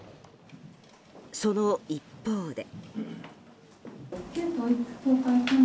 その一方で。